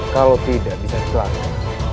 kalau tidak bisa selamat